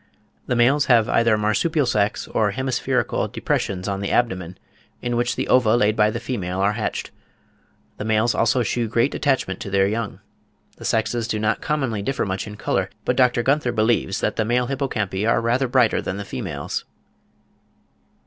the males have either marsupial sacks or hemispherical depressions on the abdomen, in which the ova laid by the female are hatched. The males also shew great attachment to their young. (39. Yarrell, 'History of British Fishes,' vol. ii. 1836, pp. 329, 338.) The sexes do not commonly differ much in colour; but Dr. Gunther believes that the male Hippocampi are rather brighter than the females.